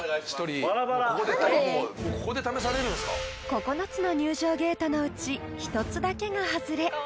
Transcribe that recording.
［９つの入場ゲートのうち１つだけがハズレ］